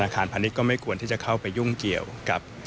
คารพาณิชยก็ไม่ควรที่จะเข้าไปยุ่งเกี่ยวกับ